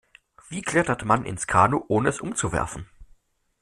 Wie klettert man ins Kanu, ohne es umzuwerfen?